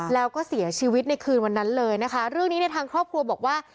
แล้วก็เสียชีวิตในคืนวันนั้นเลยนะคะเรื่องนี้เนี่ยทางครอบครัวบอกว่า